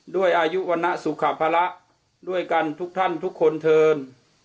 ด้วยอายุวรรณสุขภาระด้วยกันทุกท่านทุกคนเทิน